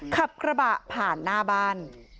ขับกระบะผ่านหน้าบ้าน